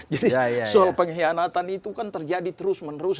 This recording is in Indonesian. jadi soal pengkhianatan itu kan terjadi terus menerus